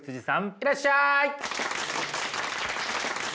いらっしゃい。